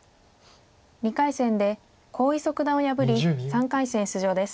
２回戦で黄翊祖九段を破り３回戦出場です。